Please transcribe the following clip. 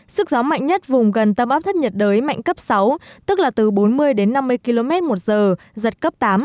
sức gió mạnh nhất vùng gần tâm áp thấp nhiệt đới mạnh cấp sáu tức là từ bốn mươi đến năm mươi km một giờ giật cấp tám